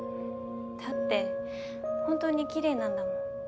だって本当に綺麗なんだもん。